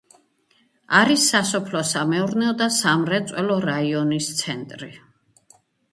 არის სასოფლო-სამეურნეო და სამრეწველო რაიონის ცენტრი.